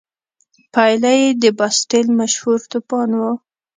پایله یې د باسټیل مشهور توپان و.